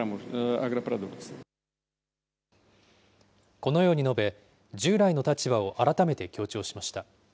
このように述べ、従来の立場を改めて強調しました。